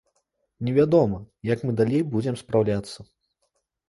Невядома, як мы далей будзем спраўляцца.